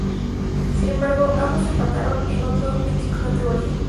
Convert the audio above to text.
Sin embargo, ambos empataron con otro en su categoría.